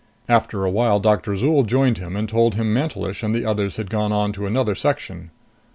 After a while Doctor Azol joined him and told him Mantelish and the others had gone on to another section.